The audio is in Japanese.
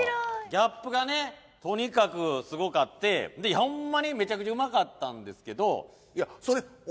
ギャップがねとにかくすごかってホンマにめちゃくちゃうまかったんですけど。